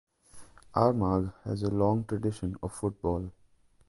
Armagh has a long tradition of football.